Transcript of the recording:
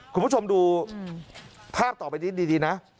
คุณผู้ชมดูภาพต่อไปนี้ดีนะ